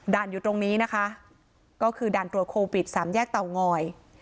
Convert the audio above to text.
อยู่ตรงนี้นะคะก็คือด่านตรวจโควิดสามแยกเตางอย